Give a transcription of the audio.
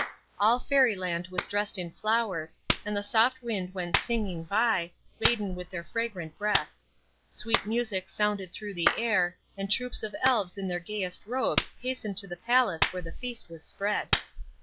All Fairy Land was dressed in flowers, and the soft wind went singing by, laden with their fragrant breath. Sweet music sounded through the air, and troops of Elves in their gayest robes hastened to the palace where the feast was spread.